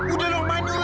udah dong manis